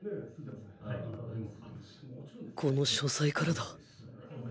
この書斎からだ